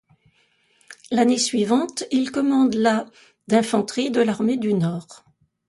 L’année suivante, il commande la d’infanterie de l’armée du Nord.